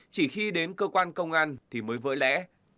chỉ khi đến cơ quan công an thì mới vỡ lẽ